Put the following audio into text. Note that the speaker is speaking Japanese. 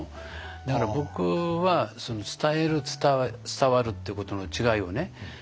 だから僕は伝える伝わるってことの違いをね